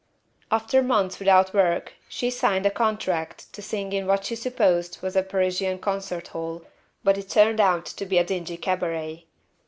After months without work she signed a contract to sing in what she supposed was a Parisian concert hall, but it turned out to be a dingy cabaret.